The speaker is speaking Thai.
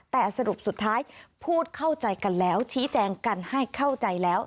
แต่สรุปสุดท้ายพูดเข้าใจกันแล้วชี้แจงกันให้เข้าใจแล้ว